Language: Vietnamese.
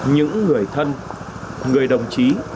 những người thân người đồng chí